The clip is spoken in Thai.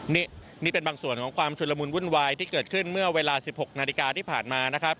นี่นี่เป็นบางส่วนของความชุดละมุนวุ่นวายที่เกิดขึ้นเมื่อเวลา๑๖นาฬิกาที่ผ่านมานะครับ